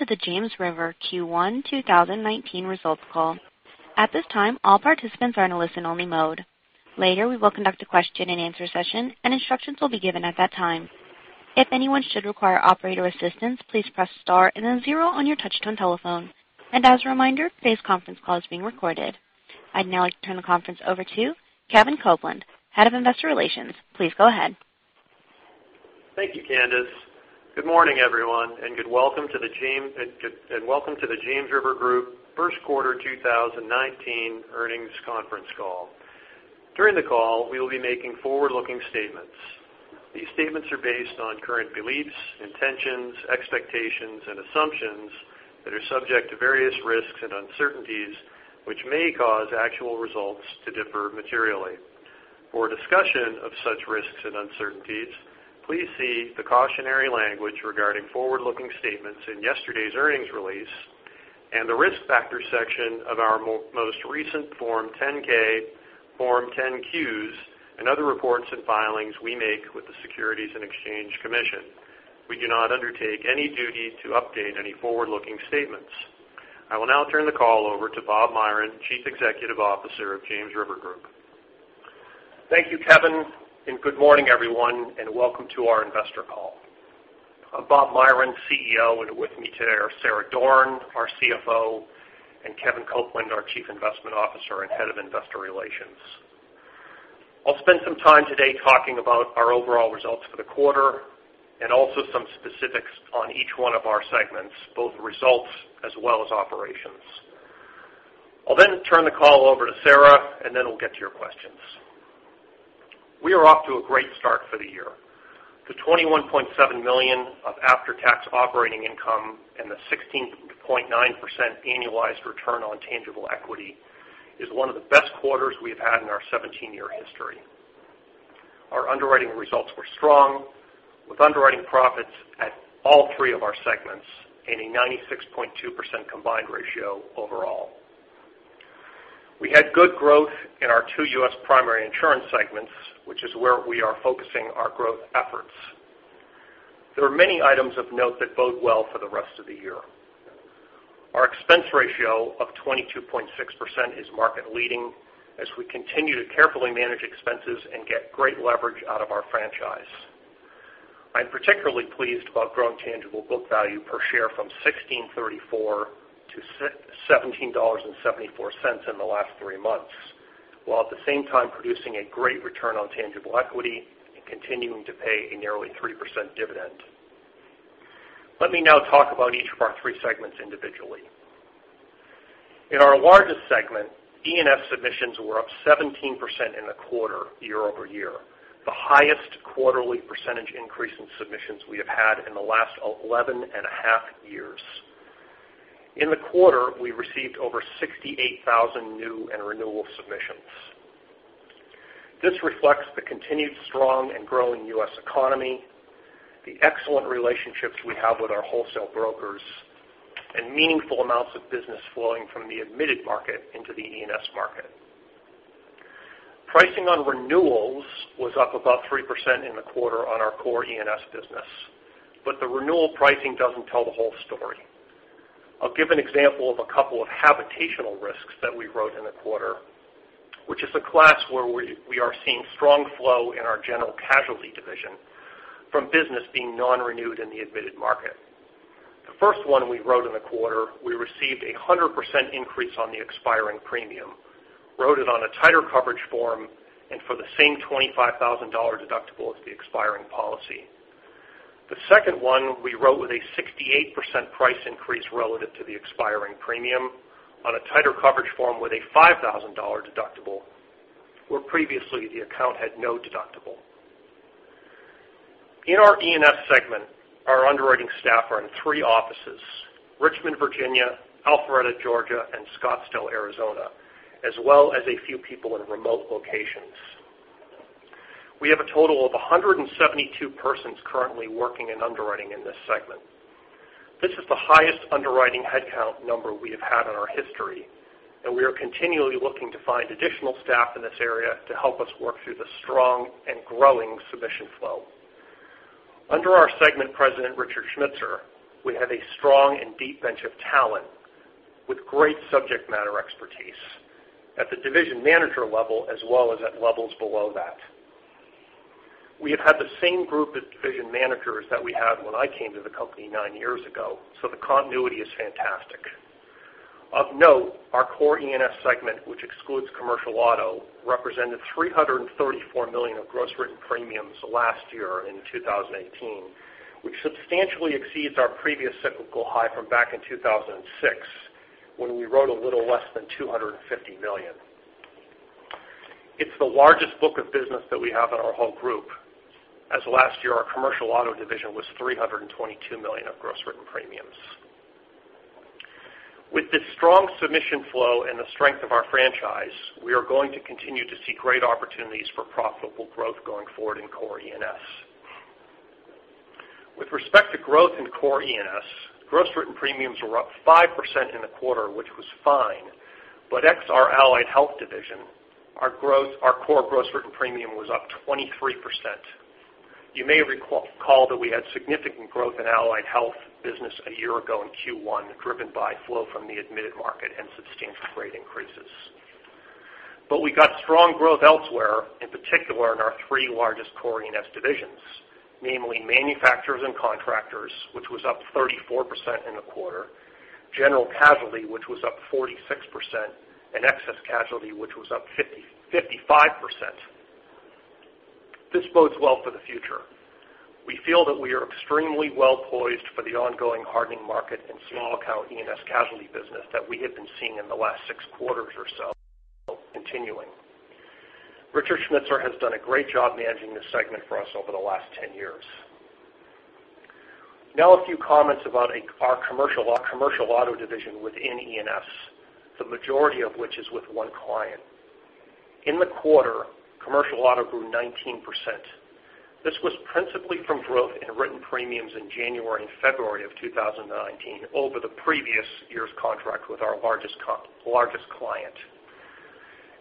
To the James River Q1 2019 results call. At this time, all participants are in a listen-only mode. Later, we will conduct a question and answer session and instructions will be given at that time. If anyone should require operator assistance, please press star and then zero on your touch-tone telephone. As a reminder, today's conference call is being recorded. I'd now like to turn the conference over to Kevin Copeland, Head of Investor Relations. Please go ahead. Thank you, Candice. Good morning, everyone, and welcome to the James River Group first quarter 2019 earnings conference call. During the call, we will be making forward-looking statements. These statements are based on current beliefs, intentions, expectations, and assumptions that are subject to various risks and uncertainties, which may cause actual results to differ materially. For a discussion of such risks and uncertainties, please see the cautionary language regarding forward-looking statements in yesterday's earnings release and the Risk Factors section of our most recent Form 10-K, Form 10-Qs, and other reports and filings we make with the Securities and Exchange Commission. We do not undertake any duty to update any forward-looking statements. I will now turn the call over to Bob Myron, Chief Executive Officer of James River Group. Thank you, Kevin, and good morning, everyone, and welcome to our investor call. I'm Bob Myron, CEO, and with me today are Sarah Doran, our CFO, and Kevin Copeland, our Chief Investment Officer and Head of Investor Relations. I'll spend some time today talking about our overall results for the quarter and also some specifics on each one of our segments, both results as well as operations. I'll turn the call over to Sarah, and we'll get to your questions. We are off to a great start for the year. The $21.7 million of after-tax operating income and the 16.9% annualized return on tangible equity is one of the best quarters we've had in our 17-year history. Our underwriting results were strong, with underwriting profits at all three of our segments, and a 96.2% combined ratio overall. We had good growth in our two U.S. primary insurance segments, which is where we are focusing our growth efforts. There are many items of note that bode well for the rest of the year. Our expense ratio of 22.6% is market-leading as we continue to carefully manage expenses and get great leverage out of our franchise. I'm particularly pleased about growing tangible book value per share from $16.34 to $17.74 in the last three months, while at the same time producing a great return on tangible equity and continuing to pay a nearly 3% dividend. Let me now talk about each of our three segments individually. In our largest segment, E&S submissions were up 17% in the quarter year-over-year, the highest quarterly percentage increase in submissions we have had in the last 11 and a half years. In the quarter, we received over 68,000 new and renewal submissions. This reflects the continued strong and growing U.S. economy, the excellent relationships we have with our wholesale brokers, and meaningful amounts of business flowing from the admitted market into the E&S market. Pricing on renewals was up about 3% in the quarter on our core E&S business. The renewal pricing doesn't tell the whole story. I'll give an example of a couple of habitational risks that we wrote in the quarter, which is a class where we are seeing strong flow in our General Casualty division from business being non-renewed in the admitted market. The first one we wrote in the quarter, we received 100% increase on the expiring premium, wrote it on a tighter coverage form and for the same $25,000 deductible as the expiring policy. The second one we wrote with a 68% price increase relative to the expiring premium on a tighter coverage form with a $5,000 deductible, where previously the account had no deductible. In our E&S segment, our underwriting staff are in three offices, Richmond, Virginia, Alpharetta, Georgia, and Scottsdale, Arizona, as well as a few people in remote locations. We have a total of 172 persons currently working in underwriting in this segment. This is the highest underwriting headcount number we have had in our history, and we are continually looking to find additional staff in this area to help us work through the strong and growing submission flow. Under our segment president, Richard Schmitzer, we have a strong and deep bench of talent with great subject matter expertise at the division manager level, as well as at levels below that. We have had the same group of division managers that we had when I came to the company nine years ago, the continuity is fantastic. Of note, our core E&S segment, which excludes commercial auto, represented $334 million of gross written premiums last year in 2018, which substantially exceeds our previous cyclical high from back in 2006, when we wrote a little less than $250 million. It's the largest book of business that we have in our whole group, as last year, our commercial auto division was $322 million of gross written premiums. With this strong submission flow and the strength of our franchise, we are going to continue to see great opportunities for profitable growth going forward in core E&S. With respect to growth in core E&S, gross written premiums were up 5% in the quarter, which was fine. Ex our Allied Health division, our core gross written premium was up 23%. You may recall that we had significant growth in Allied Health business a year ago in Q1, driven by flow from the admitted market and substantial rate increases. We got strong growth elsewhere, in particular in our three largest core E&S divisions, namely Manufacturers and Contractors, which was up 34% in the quarter, General Casualty, which was up 46%, and Excess Casualty, which was up 55%. This bodes well for the future. We feel that we are extremely well-poised for the ongoing hardening market in small account E&S casualty business that we have been seeing in the last six quarters or so continuing. Richard Schmitzer has done a great job managing this segment for us over the last 10 years. A few comments about our commercial auto division within E&S, the majority of which is with one client. In the quarter, commercial auto grew 19%. This was principally from growth in written premiums in January and February of 2019 over the previous year's contract with our largest client.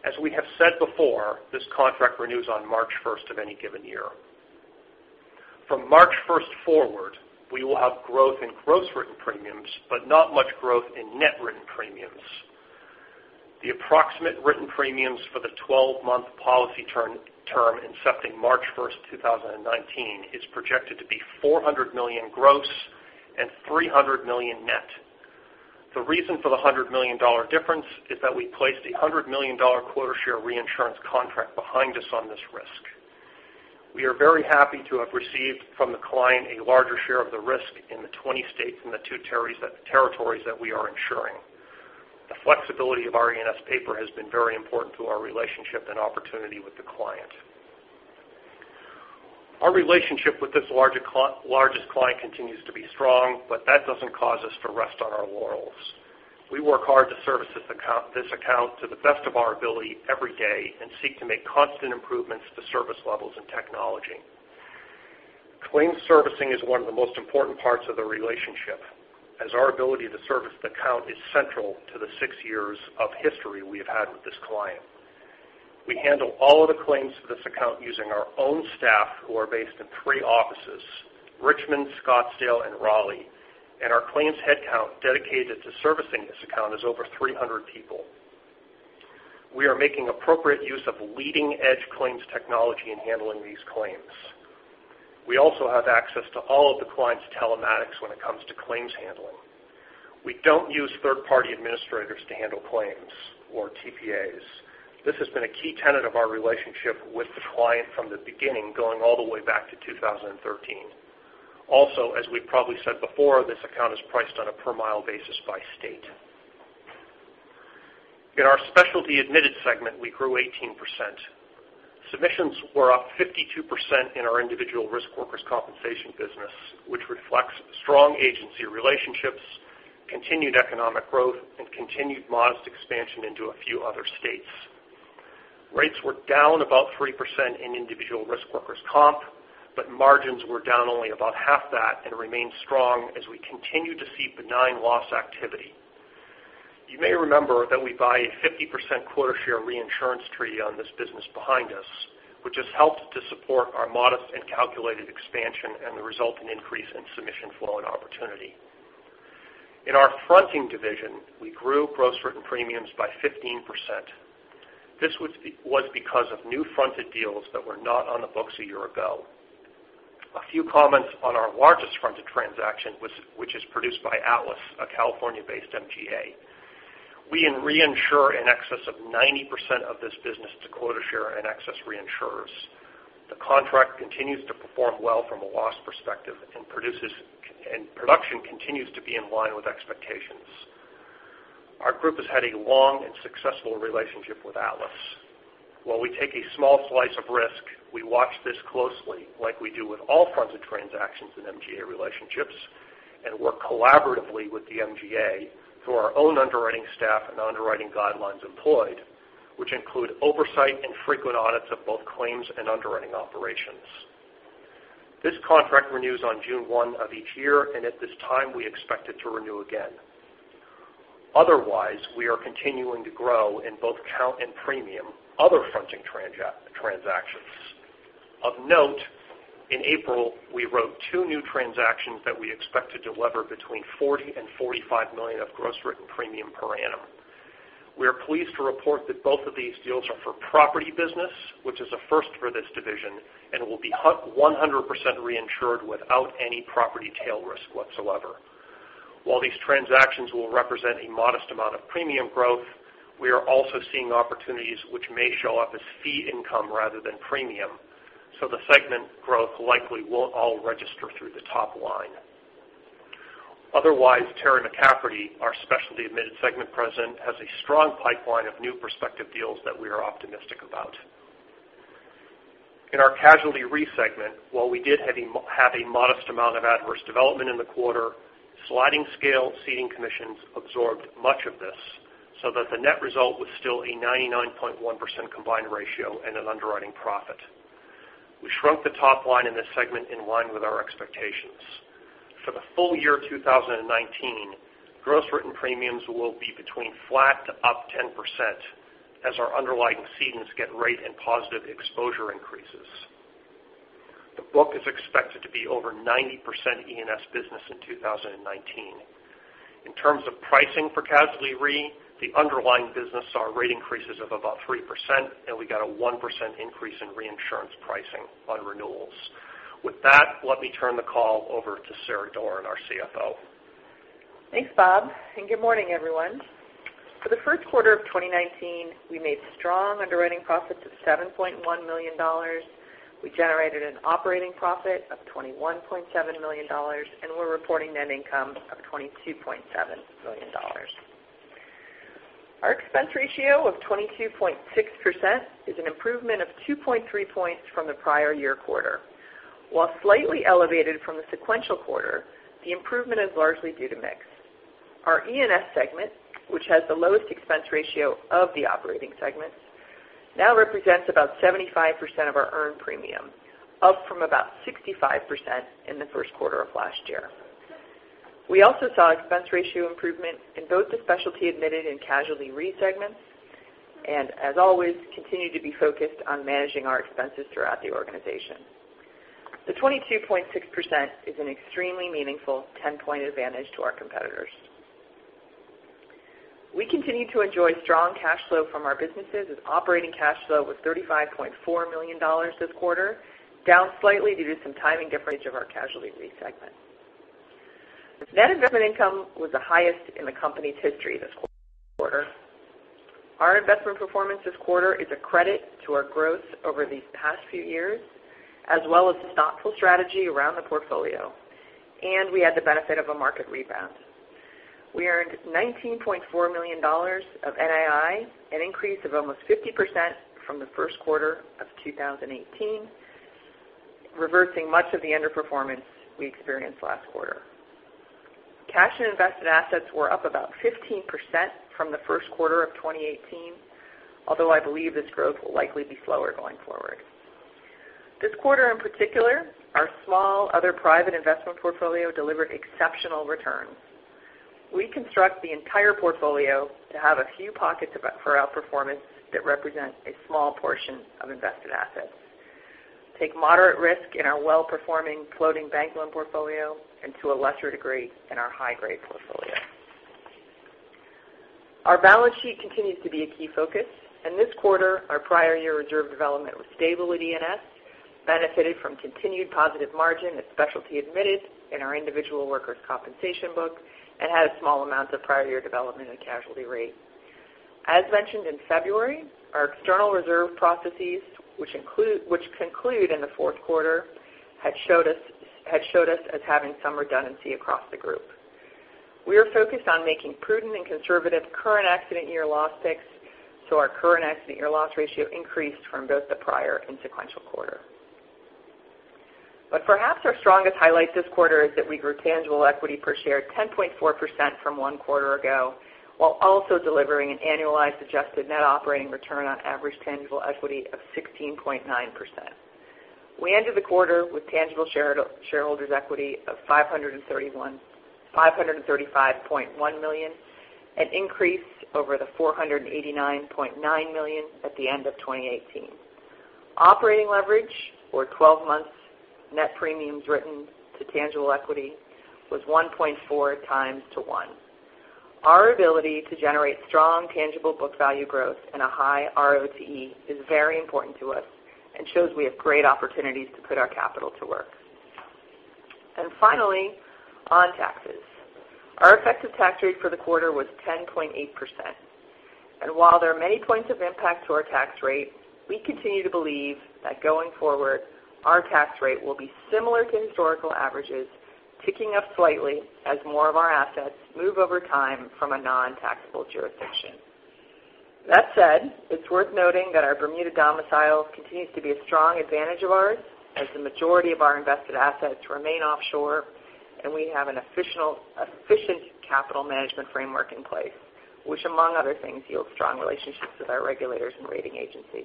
As we have said before, this contract renews on March 1st of any given year. From March 1st forward, we will have growth in gross written premiums, but not much growth in net written premiums. The approximate written premiums for the 12-month policy term incepting March 1st, 2019, is projected to be $400 million gross and $300 million net. The reason for the $100 million difference is that we placed a $100 million quota share reinsurance contract behind us on this risk. We are very happy to have received from the client a larger share of the risk in the 20 states and the two territories that we are insuring. The flexibility of our E&S paper has been very important to our relationship and opportunity with the client. Our relationship with this largest client continues to be strong. That doesn't cause us to rest on our laurels. We work hard to service this account to the best of our ability every day and seek to make constant improvements to service levels and technology. Claims servicing is one of the most important parts of the relationship, as our ability to service the account is central to the six years of history we have had with this client. We handle all of the claims for this account using our own staff who are based in three offices, Richmond, Scottsdale, and Raleigh, and our claims headcount dedicated to servicing this account is over 300 people. We are making appropriate use of leading-edge claims technology in handling these claims. We also have access to all of the client's telematics when it comes to claims handling. We don't use third-party administrators to handle claims or TPAs. This has been a key tenet of our relationship with the client from the beginning, going all the way back to 2013. As we've probably said before, this account is priced on a per mile basis by state. In our Specialty Admitted segment, we grew 18%. Submissions were up 52% in our individual risk workers' compensation business, which reflects strong agency relationships, continued economic growth, and continued modest expansion into a few other states. Rates were down about 3% in individual risk workers' comp. Margins were down only about half that and remain strong as we continue to see benign loss activity. You may remember that we buy a 50% quota share reinsurance treaty on this business behind us, which has helped to support our modest and calculated expansion and the resulting increase in submission flow and opportunity. In our fronting division, we grew gross written premiums by 15%. This was because of new fronted deals that were not on the books a year ago. A few comments on our largest fronted transaction, which is produced by Atlas, a California-based MGA. We reinsure in excess of 90% of this business to quota share and excess reinsurers. The contract continues to perform well from a loss perspective, and production continues to be in line with expectations. Our group has had a long and successful relationship with Atlas. While we take a small slice of risk, we watch this closely like we do with all fronted transactions in MGA relationships and work collaboratively with the MGA through our own underwriting staff and underwriting guidelines employed, which include oversight and frequent audits of both claims and underwriting operations. This contract renews on June 1 of each year, and at this time, we expect it to renew again. We are continuing to grow in both count and premium other fronting transactions. In April, we wrote two new transactions that we expect to deliver between $40 million and $45 million of gross written premium per annum. We are pleased to report that both of these deals are for property business, which is a first for this division and will be 100% reinsured without any property tail risk whatsoever. While these transactions will represent a modest amount of premium growth, we are also seeing opportunities which may show up as fee income rather than premium, the segment growth likely won't all register through the top line. Terry McCafferty, our Specialty Admitted Segment President, has a strong pipeline of new prospective deals that we are optimistic about. In our Casualty Re segment, while we did have a modest amount of adverse development in the quarter, sliding scale ceding commissions absorbed much of this, the net result was still a 99.1% combined ratio and an underwriting profit. We shrunk the top line in this segment in line with our expectations. For the full year 2019, gross written premiums will be between flat to up 10% as our underlying cedents get rate and positive exposure increases. The book is expected to be over 90% E&S business in 2019. In terms of pricing for Casualty Re, the underlying business saw rate increases of about 3%, we got a 1% increase in reinsurance pricing on renewals. Let me turn the call over to Sarah Doran, our CFO. Thanks, Bob, and good morning, everyone. For the first quarter of 2019, we made strong underwriting profits of $7.1 million. We generated an operating profit of $21.7 million, and we're reporting net income of $22.7 million. Our expense ratio of 22.6% is an improvement of 2.3 points from the prior year quarter. While slightly elevated from the sequential quarter, the improvement is largely due to mix. Our E&S segment, which has the lowest expense ratio of the operating segments, now represents about 75% of our earned premium, up from about 65% in the first quarter of last year. We also saw expense ratio improvement in both the Specialty Admitted and Casualty Re segments, as always, continue to be focused on managing our expenses throughout the organization. The 22.6% is an extremely meaningful 10-point advantage to our competitors. We continue to enjoy strong cash flow from our businesses, as operating cash flow was $35.4 million this quarter, down slightly due to some timing difference of our Casualty Re segment. Net investment income was the highest in the company's history this quarter. Our investment performance this quarter is a credit to our growth over these past few years, as well as the thoughtful strategy around the portfolio. We had the benefit of a market rebound. We earned $19.4 million of NII, an increase of almost 50% from the first quarter of 2018, reversing much of the underperformance we experienced last quarter. Cash and invested assets were up about 15% from the first quarter of 2018, although I believe this growth will likely be slower going forward. This quarter in particular, our small other private investment portfolio delivered exceptional returns. We construct the entire portfolio to have a few pockets of outperformance that represent a small portion of invested assets, take moderate risk in our well-performing floating bank loan portfolio and, to a lesser degree, in our high-grade portfolio. Our balance sheet continues to be a key focus. This quarter our prior year reserve development was stable at E&S, benefited from continued positive margin at Specialty Admitted in our individual workers' compensation book, and had small amounts of prior year development in Casualty Re. As mentioned in February, our external reserve processes, which conclude in the fourth quarter, had showed us as having some redundancy across the group. We are focused on making prudent and conservative current accident year loss picks. Our current accident year loss ratio increased from both the prior and sequential quarter. Perhaps our strongest highlight this quarter is that we grew tangible equity per share 10.4% from one quarter ago, while also delivering an annualized adjusted net operating return on average tangible equity of 16.9%. We ended the quarter with tangible shareholders' equity of $535.1 million, an increase over the $489.9 million at the end of 2018. Operating leverage for 12 months' net premiums written to tangible equity was 1.4 times to one. Our ability to generate strong tangible book value growth and a high ROTE is very important to us and shows we have great opportunities to put our capital to work. Finally, on taxes. Our effective tax rate for the quarter was 10.8%. While there are many points of impact to our tax rate, we continue to believe that going forward, our tax rate will be similar to historical averages, ticking up slightly as more of our assets move over time from a non-taxable jurisdiction. That said, it's worth noting that our Bermuda domicile continues to be a strong advantage of ours as the majority of our invested assets remain offshore and we have an efficient capital management framework in place, which, among other things, yields strong relationships with our regulators and rating agencies.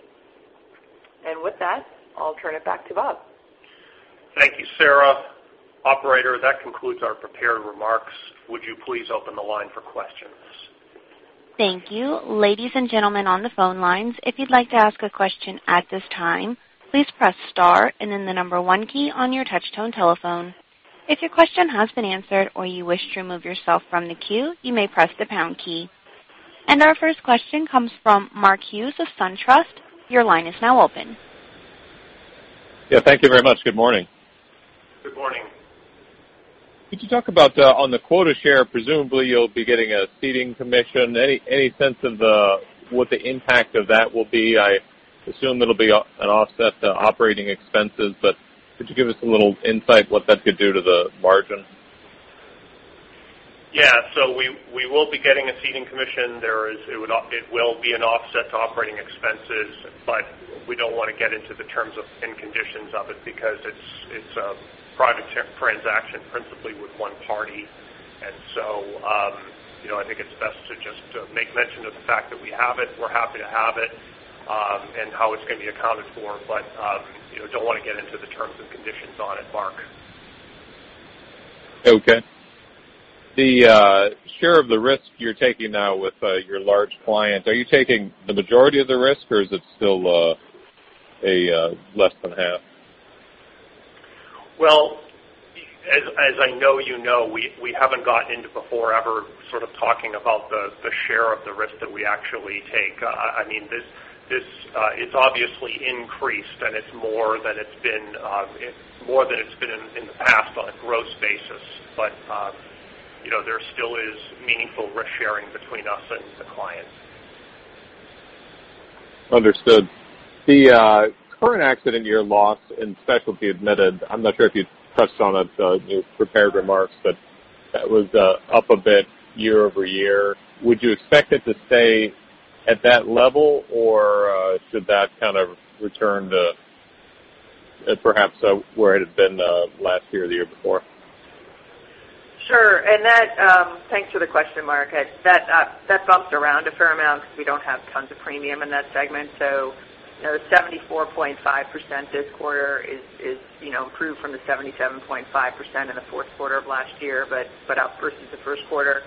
With that, I'll turn it back to Bob. Thank you, Sarah. Operator, that concludes our prepared remarks. Would you please open the line for questions? Thank you. Ladies and gentlemen on the phone lines, if you'd like to ask a question at this time, please press star and then the number one key on your touch-tone telephone. If your question has been answered or you wish to remove yourself from the queue, you may press the pound key. Our first question comes from Mark Hughes of SunTrust. Your line is now open. Yeah, thank you very much. Good morning. Good morning. Could you talk about on the quota share, presumably you'll be getting a ceding commission. Any sense of what the impact of that will be? I assume it'll be an offset to operating expenses. Could you give us a little insight what that could do to the margin? Yeah, we will be getting a ceding commission. It will be an offset to operating expenses. We don't want to get into the terms and conditions of it because it's a private transaction principally with one party. I think it's best to just make mention of the fact that we have it, we're happy to have it, and how it's going to be accounted for. Don't want to get into the terms and conditions on it, Mark. Okay. The share of the risk you're taking now with your large clients, are you taking the majority of the risk, or is it still less than half? As I know you know, we haven't gotten into before ever sort of talking about the share of the risk that we actually take. It's obviously increased, and it's more than it's been in the past on a gross basis. There still is meaningful risk-sharing between us and the clients. Understood. The current accident year loss in Specialty Admitted, I'm not sure if you touched on it in your prepared remarks, but that was up a bit year-over-year. Would you expect it to stay at that level, or should that kind of return to perhaps where it had been last year or the year before? Sure. Thanks for the question, Mark. That bumps around a fair amount because we don't have tons of premium in that segment. 74.5% this quarter is improved from the 77.5% in the fourth quarter of last year, but up versus the first quarter.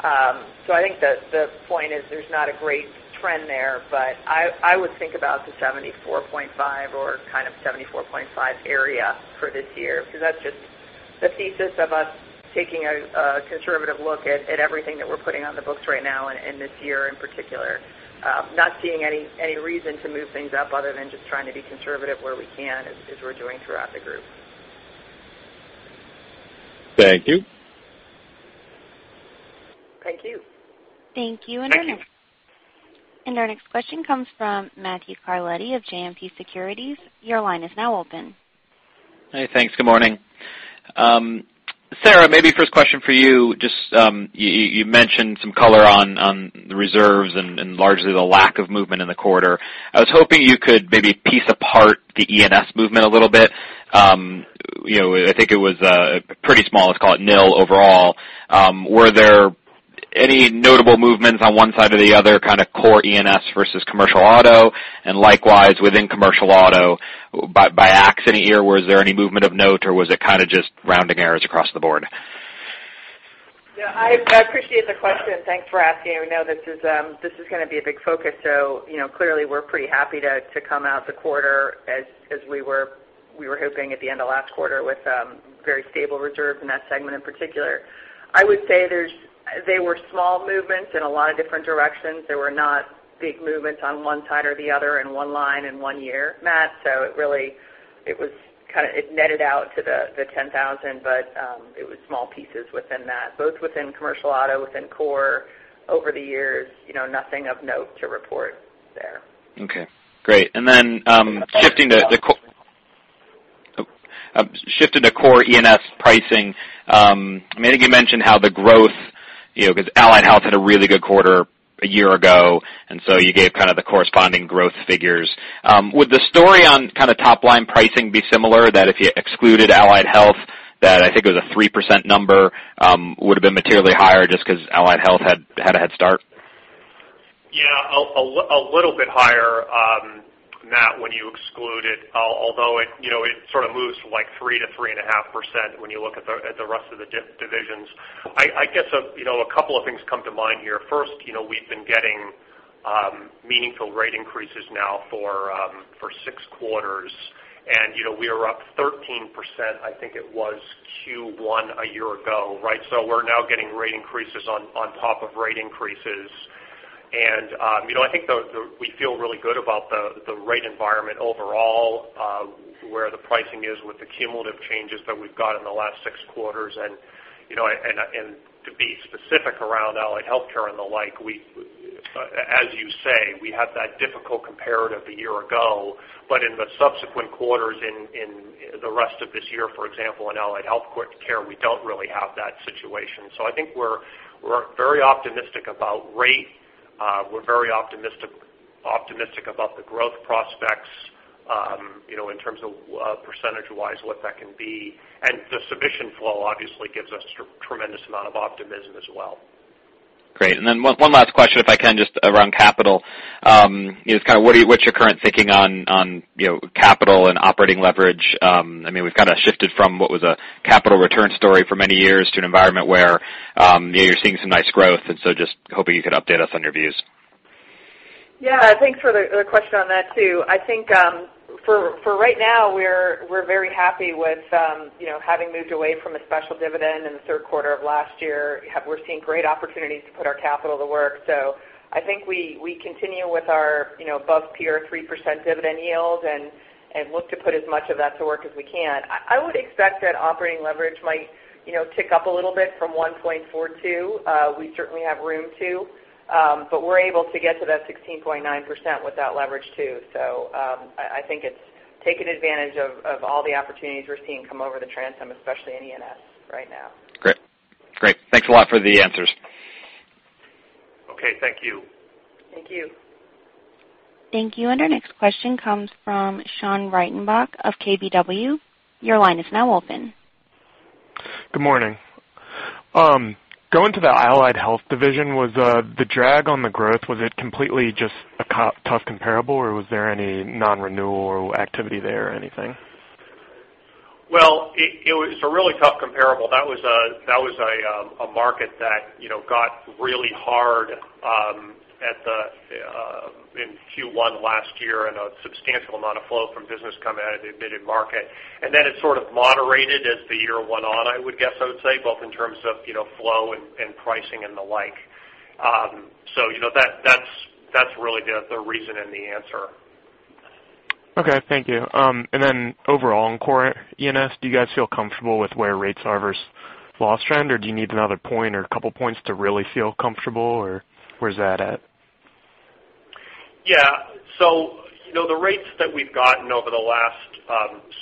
I think the point is there's not a great trend there, but I would think about the 74.5 or kind of 74.5 area for this year. That's just the thesis of us taking a conservative look at everything that we're putting on the books right now and this year in particular. Not seeing any reason to move things up other than just trying to be conservative where we can, as we're doing throughout the group. Thank you. Thank you. Thank you. Thank you. Our next question comes from Matthew Carletti of JMP Securities. Your line is now open. Hey, thanks. Good morning. Sarah, maybe first question for you. You mentioned some color on the reserves and largely the lack of movement in the quarter. I was hoping you could maybe piece apart the E&S movement a little bit. I think it was pretty small, let's call it nil overall. Were there any notable movements on one side or the other, kind of core E&S versus commercial auto? Likewise, within commercial auto, by accident year, was there any movement of note, or was it kind of just rounding errors across the board? I appreciate the question. Thanks for asking. We know this is going to be a big focus. Clearly, we're pretty happy to come out the quarter as we were hoping at the end of last quarter with very stable reserves in that segment in particular. I would say they were small movements in a lot of different directions. They were not big movements on one side or the other in one line in one year, Matthew. It netted out to the 10,000, but it was small pieces within that, both within commercial auto, within core over the years, nothing of note to report there. Okay, great. Shifting to core E&S pricing, I think you mentioned how the growth, because Allied Health had a really good quarter a year ago, you gave kind of the corresponding growth figures. Would the story on kind of top-line pricing be similar, that if you excluded Allied Health, that I think it was a 3% number, would've been materially higher just because Allied Health had a head start? A little bit higher, Matthew, when you exclude it, although it sort of moves to 3% to 3.5% when you look at the rest of the divisions. I guess a couple of things come to mind here. First, we've been getting meaningful rate increases now for 6 quarters. We are up 13%, I think it was Q1 a year ago, right? We're now getting rate increases on top of rate increases. I think we feel really good about the rate environment overall, where the pricing is with the cumulative changes that we've got in the last 6 quarters. To be specific around Allied Health and the like, as you say, we have that difficult comparative a year ago. In the subsequent quarters in the rest of this year, for example, in Allied Health, we don't really have that situation. I think we're very optimistic about rate. We're very optimistic about the growth prospects, in terms of percentage-wise, what that can be. The submission flow obviously gives us tremendous amount of optimism as well. Great. One last question, if I can, just around capital. Just kind of what's your current thinking on capital and operating leverage? We've kind of shifted from what was a capital return story for many years to an environment where you're seeing some nice growth, hoping you could update us on your views. Yeah. Thanks for the question on that, too. I think for right now, we're very happy with having moved away from a special dividend in the third quarter of last year. We're seeing great opportunities to put our capital to work. I think we continue with our above peer 3% dividend yield and look to put as much of that to work as we can. I would expect that operating leverage might tick up a little bit from 1.42. We certainly have room to. We're able to get to that 16.9% with that leverage, too. I think it's taking advantage of all the opportunities we're seeing come over the transom, especially in E&S right now. Great. Thanks a lot for the answers. Okay, thank you. Thank you. Thank you. Our next question comes from Sean Reitenbach of KBW. Your line is now open. Good morning. Going to the Allied Health division, was the drag on the growth, was it completely just a tough comparable, or was there any non-renewal activity there or anything? It was a really tough comparable. That was a market that got really hard in Q1 last year and a substantial amount of flow from business coming out of the admitted market. Then it sort of moderated as the year went on, I would guess I would say, both in terms of flow and pricing and the like. That's really the reason and the answer. Okay, thank you. Overall in core E&S, do you guys feel comfortable with where rates are versus loss trend, or do you need another point or a couple of points to really feel comfortable, or where is that at? Yeah. The rates that we've gotten over the last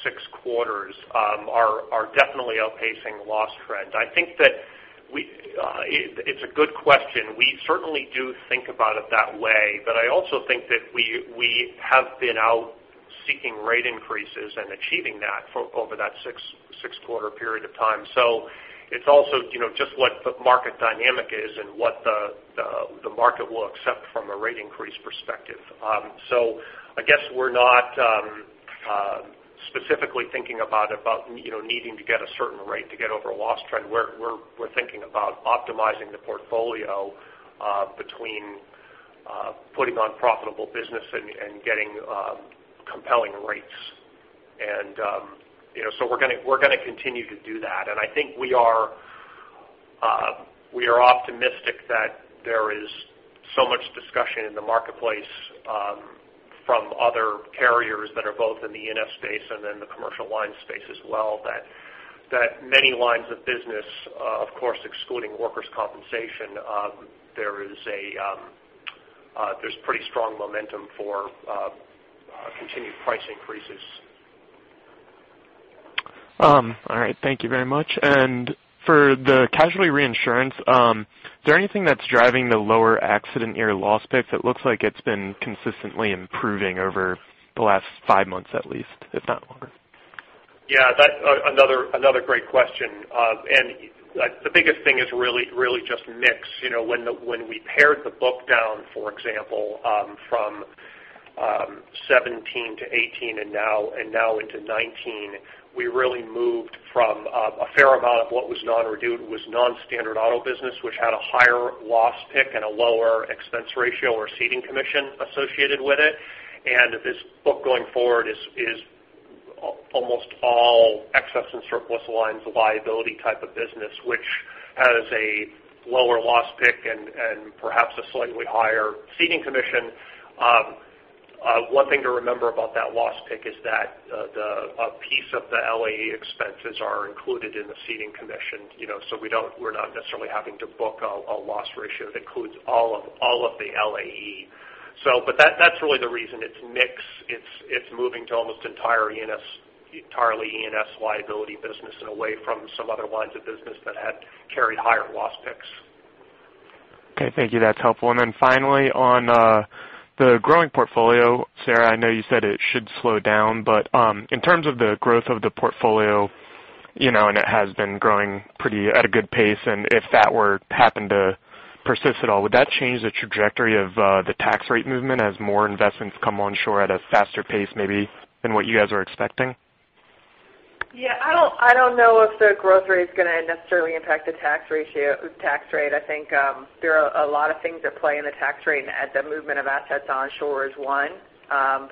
six quarters are definitely outpacing loss trend. I think that it's a good question. We certainly do think about it that way, but I also think that we have been out seeking rate increases and achieving that over that six-quarter period of time. It's also just what the market dynamic is and what the market will accept from a rate increase perspective. I guess we're not specifically thinking about needing to get a certain rate to get over a loss trend. We're thinking about optimizing the portfolio between putting on profitable business and getting compelling rates. We're going to continue to do that. I think we are optimistic that there is so much discussion in the marketplace from other carriers that are both in the E&S space and in the commercial line space as well, that many lines of business, of course, excluding workers' compensation, there's pretty strong momentum for continued price increases. All right. Thank you very much. For the Casualty Reinsurance, is there anything that's driving the lower accident year loss picks? It looks like it's been consistently improving over the last five months at least, if not longer. Yeah, that's another great question. The biggest thing is really just mix. When we pared the book down, for example, from 2017 to 2018 and now into 2019, we really moved from a fair amount of what was non-renewed was non-standard auto business, which had a higher loss pick and a lower expense ratio or ceding commission associated with it. This book going forward is almost all Excess and Surplus Lines of liability type of business, which has a lower loss pick and perhaps a slightly higher ceding commission. One thing to remember about that loss pick is that a piece of the LAE expenses are included in the ceding commission. We're not necessarily having to book a loss ratio that includes all of the LAE. That's really the reason. It's mix. It's moving to almost entirely E&S liability business and away from some other lines of business that had carried higher loss picks. Finally, on the growing portfolio, Sarah, I know you said it should slow down, but in terms of the growth of the portfolio, and it has been growing at a good pace, and if that were happened to persist at all, would that change the trajectory of the tax rate movement as more investments come onshore at a faster pace, maybe than what you guys are expecting? I don't know if the growth rate is going to necessarily impact the tax rate. I think there are a lot of things at play in the tax rate, and the movement of assets onshore is one.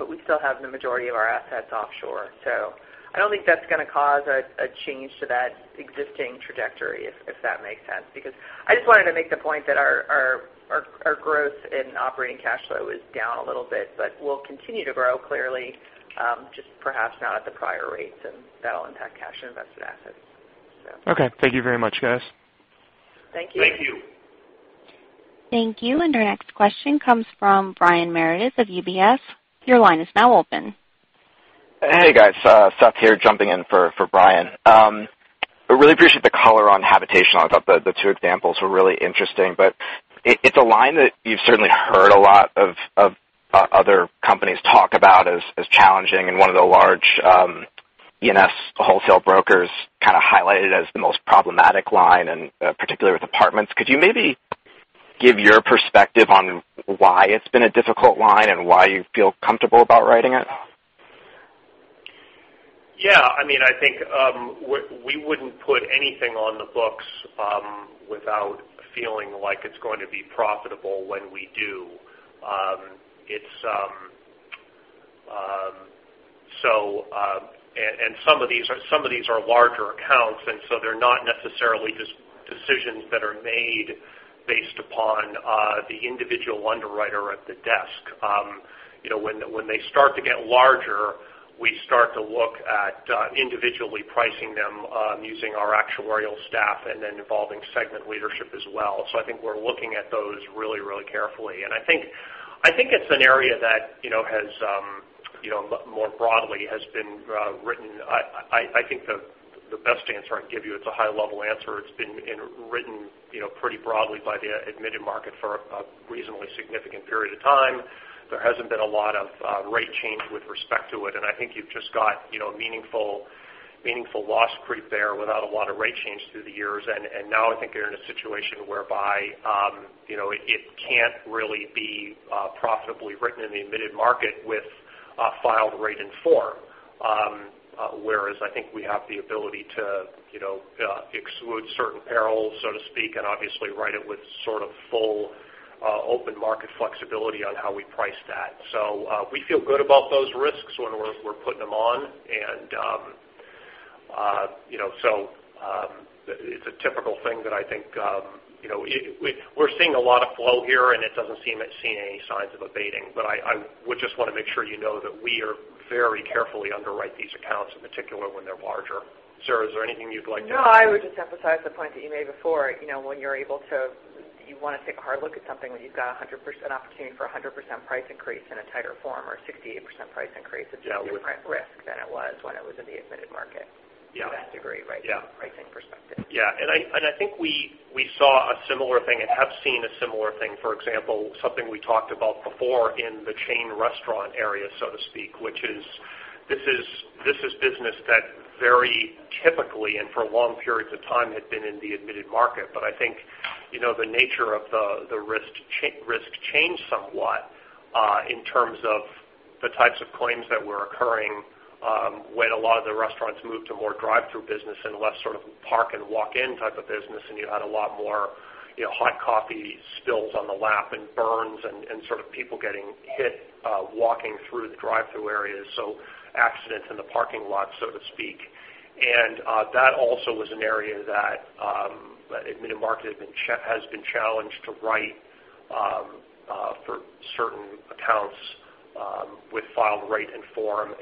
We still have the majority of our assets offshore. I don't think that's going to cause a change to that existing trajectory, if that makes sense. I just wanted to make the point that our growth in operating cash flow is down a little bit, but we'll continue to grow clearly, just perhaps not at the prior rates, and that'll impact cash and invested assets. Thank you very much, guys. Thank you. Thank you. Thank you. Our next question comes from Brian Meredith of UBS. Your line is now open. Hey, guys. Seth here, jumping in for Brian. I really appreciate the color on habitation. I thought the two examples were really interesting, but it's a line that you've certainly heard a lot of other companies talk about as challenging and one of the large E&S wholesale brokers kind of highlight it as the most problematic line, and particularly with apartments. Could you maybe give your perspective on why it's been a difficult line and why you feel comfortable about writing it? Yeah. I think we wouldn't put anything on the books without feeling like it's going to be profitable when we do. Some of these are larger accounts, so they're not necessarily just decisions that are made based upon the individual underwriter at the desk. When they start to get larger, we start to look at individually pricing them using our actuarial staff and then involving segment leadership as well. I think we're looking at those really carefully. I think the best answer I can give you, it's a high-level answer. It's been written pretty broadly by the admitted market for a reasonably significant period of time. There hasn't been a lot of rate change with respect to it. I think you've just got meaningful loss creep there without a lot of rate change through the years. Now I think you're in a situation whereby it can't really be profitably written in the admitted market with a filed rate in form. Whereas I think we have the ability to exclude certain perils, so to speak, and obviously write it with sort of full open market flexibility on how we price that. We feel good about those risks when we're putting them on. It's a typical thing that I think. We're seeing a lot of flow here, and it doesn't seem it's seeing any signs of abating, but I would just want to make sure you know that we very carefully underwrite these accounts, in particular when they're larger. Sarah, is there anything you'd like to add? No, I would just emphasize the point that you made before. When you want to take a hard look at something, when you've got 100% opportunity for 100% price increase in a tighter form or a 68% price increase, it's just a different risk than it was when it was in the admitted market. Yeah. To that degree, right? Yeah. From a pricing perspective. Yeah. I think we saw a similar thing and have seen a similar thing, for example, something we talked about before in the chain restaurant area, so to speak, which is this is business that very typically and for long periods of time had been in the admitted market. I think, the nature of the risk changed somewhat in terms of the types of claims that were occurring when a lot of the restaurants moved to more drive-thru business and less sort of park and walk-in type of business, and you had a lot more hot coffee spills on the lap and burns and sort of people getting hit walking through the drive-thru areas. Accidents in the parking lot, so to speak. That also was an area that admitted market has been challenged to write for certain accounts with filed rate and form.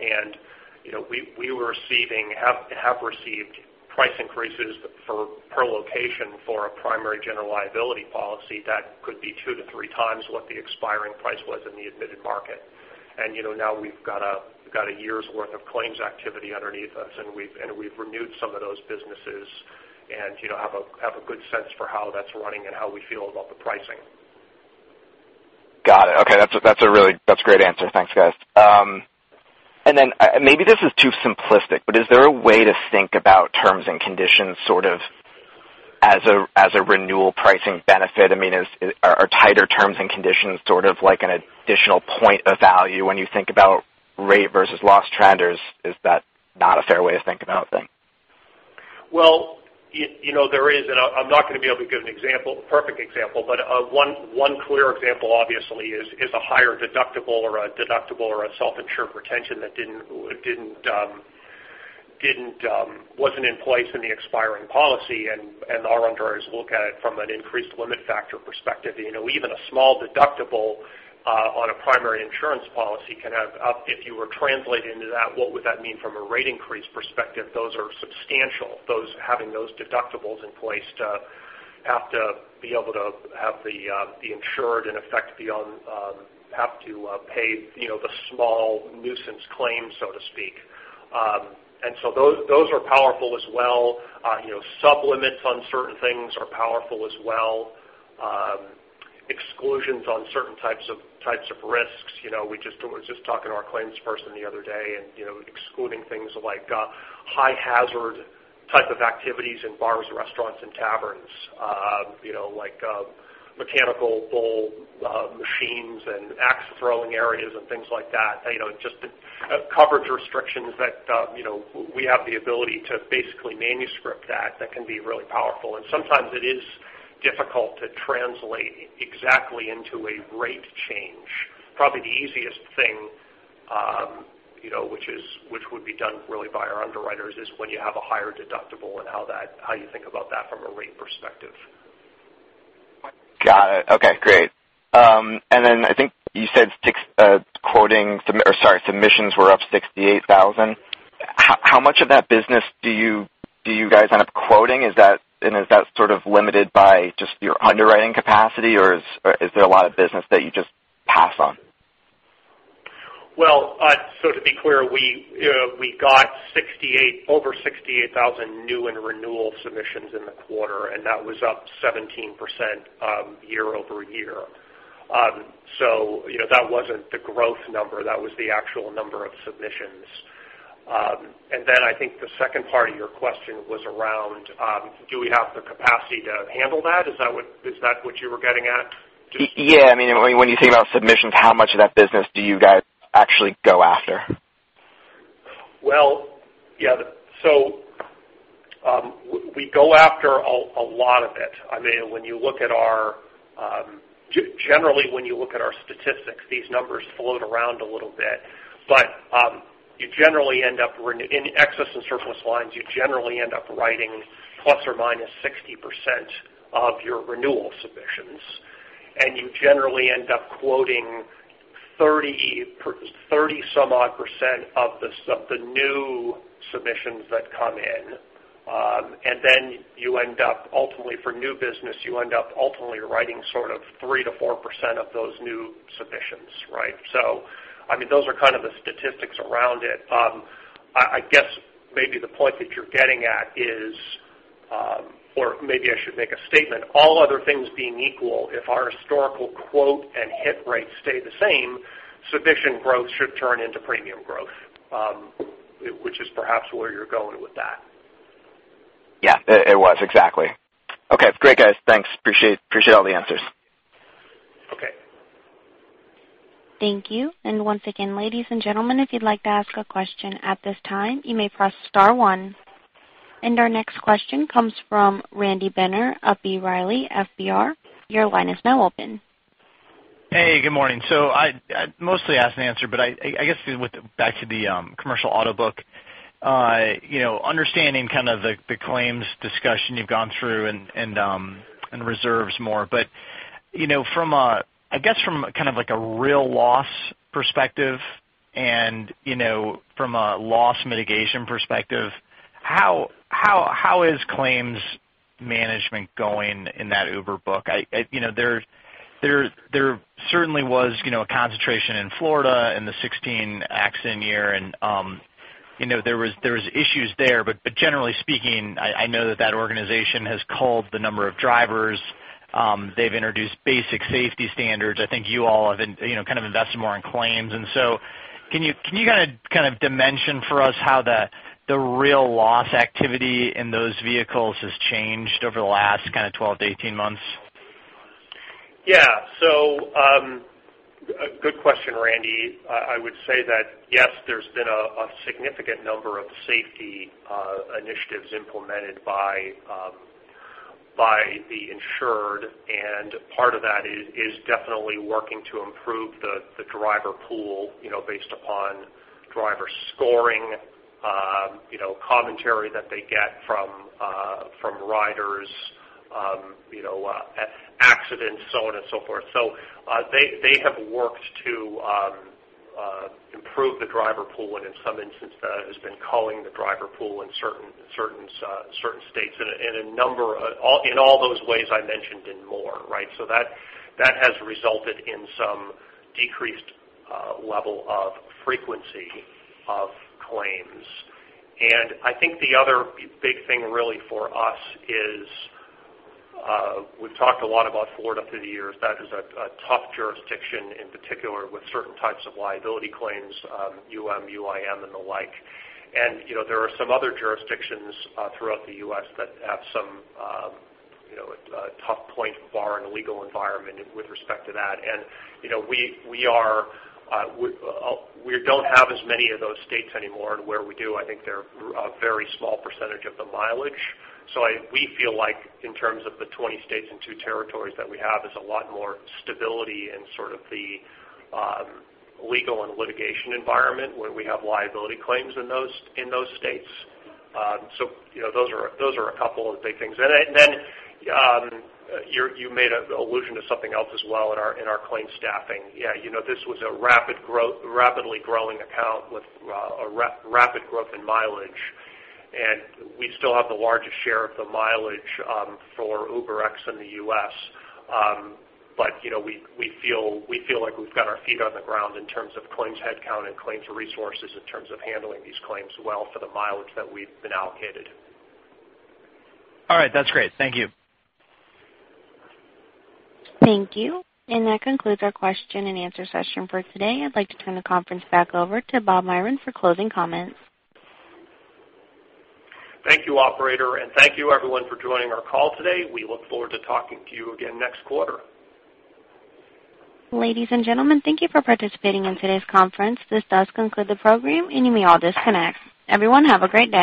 We have received price increases per location for a primary general liability policy that could be two to three times what the expiring price was in the admitted market. Now we've got a year's worth of claims activity underneath us, and we've renewed some of those businesses and have a good sense for how that's running and how we feel about the pricing. Got it. Okay. That's a great answer. Thanks, guys. Then, maybe this is too simplistic, but is there a way to think about terms and conditions sort of as a renewal pricing benefit? I mean, are tighter terms and conditions sort of like an additional point of value when you think about rate versus loss trend, or is that not a fair way to think about things? Well, there is, and I'm not going to be able to give an example, a perfect example, but one clear example obviously is a higher deductible or a deductible or a self-insured retention that wasn't in place in the expiring policy. Our underwriters look at it from an increased limit factor perspective. Even a small deductible on a primary insurance policy can have if you were translating into that, what would that mean from a rate increase perspective? Those are substantial. Having those deductibles in place to have to be able to have the insured in effect have to pay the small nuisance claim, so to speak. So those are powerful as well. Sub-limits on certain things are powerful as well. Exclusions on certain types of risks. We just talking to our claims person the other day, excluding things like high hazard type of activities in bars, restaurants, and taverns, like mechanical bull machines and axe throwing areas and things like that. Just coverage restrictions that we have the ability to basically manuscript that can be really powerful. Sometimes it is difficult to translate exactly into a rate change. Probably the easiest thing which would be done really by our underwriters is when you have a higher deductible and how you think about that from a rate perspective. Got it. Okay, great. I think you said submissions were up 68,000. How much of that business do you guys end up quoting? Is that sort of limited by just your underwriting capacity, or is there a lot of business that you just pass on? To be clear, we got over 68,000 new and renewal submissions in the quarter, and that was up 17% year-over-year. That wasn't the growth number. That was the actual number of submissions. I think the second part of your question was around, do we have the capacity to handle that? Is that what you were getting at? Yeah. I mean, when you think about submissions, how much of that business do you guys actually go after? Yeah. We go after a lot of it. I mean, generally when you look at our statistics, these numbers float around a little bit. In Excess and Surplus Lines, you generally end up writing plus or minus 60% of your renewal submissions, and you generally end up quoting 30-some odd percent of the new submissions that come in. You end up ultimately for new business, you end up ultimately writing sort of 3%-4% of those new submissions. Right? Those are kind of the statistics around it. I guess maybe the point that you're getting at is, or maybe I should make a statement. All other things being equal, if our historical quote and hit rates stay the same, submission growth should turn into premium growth. Which is perhaps where you're going with that. Yeah. It was, exactly. Okay. Great guys. Thanks. Appreciate all the answers. Okay. Thank you. Once again, ladies and gentlemen, if you'd like to ask a question at this time, you may press star one. Our next question comes from Randy Binner of B. Riley FBR. Your line is now open. Hey, good morning. I mostly asked and answered, but I guess back to the commercial auto book. Understanding kind of the claims discussion you've gone through and reserves more. I guess from kind of like a real loss perspective and from a loss mitigation perspective, how is claims management going in that Uber book? There certainly was a concentration in Florida in the 2016 accident year, and there was issues there. Generally speaking, I know that that organization has culled the number of drivers. They've introduced basic safety standards. I think you all have kind of invested more in claims. Can you kind of dimension for us how the real loss activity in those vehicles has changed over the last kind of 12 to 18 months? Yeah. Good question, Randy. I would say that, yes, there's been a significant number of safety initiatives implemented by the insured, and part of that is definitely working to improve the driver pool based upon driver scoring, commentary that they get from riders, accidents, so on and so forth. They have worked to improve the driver pool, and in some instances, has been culling the driver pool in certain states in all those ways I mentioned and more. Right? That has resulted in some decreased level of frequency of claims. I think the other big thing really for us is, we've talked a lot about Florida through the years. That is a tough jurisdiction, in particular with certain types of liability claims, UM, UIM and the like. There are some other jurisdictions throughout the U.S. that have some tough points barring the legal environment with respect to that. We don't have as many of those states anymore, and where we do, I think they're a very small percentage of the mileage. We feel like in terms of the 20 states and two territories that we have, there's a lot more stability in sort of the legal and litigation environment where we have liability claims in those states. Those are a couple of big things. Then you made an allusion to something else as well in our claims staffing. Yeah. This was a rapidly growing account with a rapid growth in mileage. We still have the largest share of the mileage for UberX in the U.S. We feel like we've got our feet on the ground in terms of claims headcount and claims resources in terms of handling these claims well for the mileage that we've been allocated. All right. That's great. Thank you. Thank you. That concludes our question and answer session for today. I'd like to turn the conference back over to Bob Myron for closing comments. Thank you, operator, and thank you everyone for joining our call today. We look forward to talking to you again next quarter. Ladies and gentlemen, thank you for participating in today's conference. This does conclude the program, and you may all disconnect. Everyone, have a great day.